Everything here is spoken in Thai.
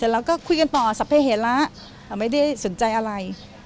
แล้วก็คุยกันต่อสัพเพเหละไม่ได้สนใจอะไร